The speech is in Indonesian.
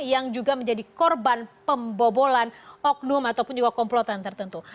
yang juga menjadi korban pembobolan oknum ataupun juga komplotan tertentu